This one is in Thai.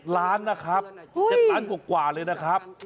ล้านนะครับ๗ล้านกว่าเลยนะครับ